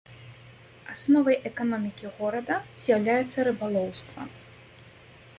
Асновай эканомікі горада з'яўляецца рыбалоўства.